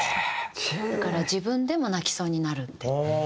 「だから自分でも泣きそうになる」って。